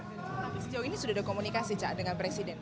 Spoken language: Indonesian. tapi sejauh ini sudah ada komunikasi cak dengan presiden